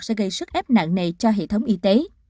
sẽ gây sức ép nặng nề cho hệ thống y tế